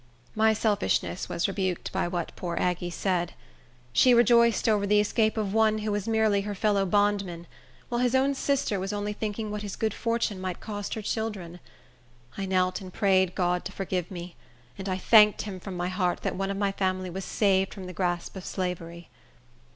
My selfishness was rebuked by what poor Aggie said. She rejoiced over the escape of one who was merely her fellow bondman, while his own sister was only thinking what his good fortune might cost her children. I knelt and prayed God to forgive me; and I thanked him from my heart, that one of my family was saved from the grasp of slavery.